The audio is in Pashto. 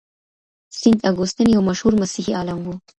سينټ اګوستين يو مشهور مسيحي عالم و.